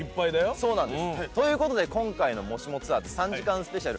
そうなんですということで今回の『もしもツアーズ』３時間スペシャル！